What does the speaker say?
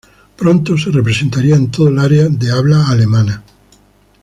Pronto se representaría en toda el área de habla alemana.